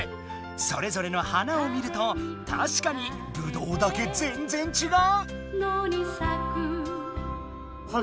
それぞれの花を見るとたしかにぶどうだけぜんぜんちがう！